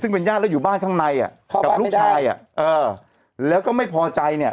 ซึ่งเป็นญาติแล้วอยู่บ้านข้างในอ่ะกับลูกชายอ่ะเออแล้วก็ไม่พอใจเนี่ย